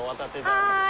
はい。